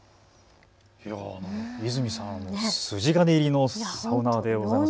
泉さん、筋金入りのサウナ−でございますね。